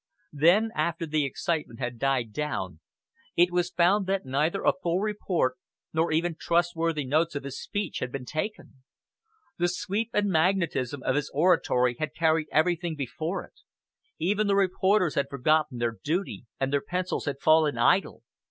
Then, after the excitement had died down, it was found that neither a full report nor even trustworthy notes of his speech had been taken. The sweep and magnetism of his oratory had carried everything before it even the reporters had forgotten their duty, and their pencils had fallen idle.